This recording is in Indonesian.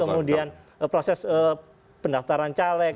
kemudian proses pendaftaran caleg